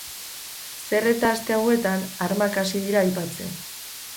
Zer eta aste hauetan, armak hasi dira aipatzen.